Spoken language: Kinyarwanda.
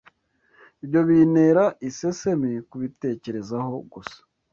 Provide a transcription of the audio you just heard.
Ibyo bintera isesemi kubitekerezaho gusa.